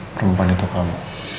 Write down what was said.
perempuan itu kamu